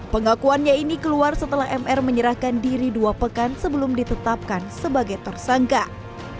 pengakuannya ini keluar setelah mr menyerahkan diri dua pekan sebelum ditetapkan sebagai tersangka